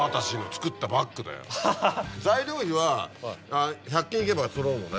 材料費は１００均行けばそろうのね。